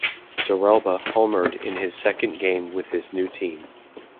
Torrealba homered in his second game with his new team.